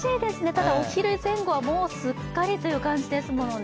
ただ、お昼前後はもうすっかりという感じですもんね。